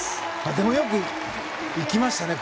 でも、よくいきましたね